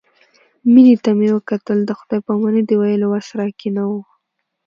مينې ته مې وکتل د خداى پاماني د ويلو وس راکښې نه و.